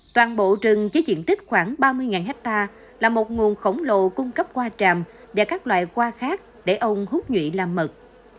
toàn bộ rừng với diện tích khoảng ba mươi hectare là một nguồn khổng lồ cung cấp qua tràm và các loại hoa khác để ông hút nhuy làm mật